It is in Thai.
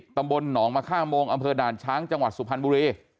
ตำบลหนองมะค่าโมงอำเภอด่านช้างจังหวัดสุพรรณบุรี